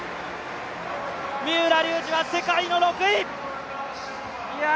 三浦龍司は世界の６位！